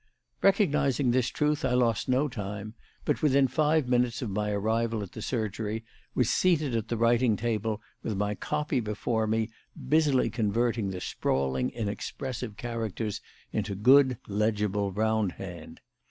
Recognising this truth, I lost no time, but, within five minutes of my arrival at the surgery, was seated at the writing table with my copy before me busily converting the sprawling, inexpressive characters into good, legible round hand.